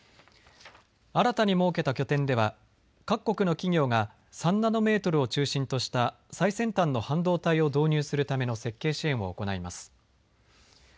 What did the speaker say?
新たに設けた拠点では各国の企業が３ナノメートルを中心とした最先端の半導体を導入するための設計支援を行います。